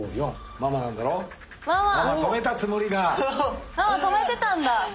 ママ止めてたんだ！